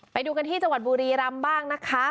ไปดูกันที่จังหวัดบุรีรำบ้างนะคะ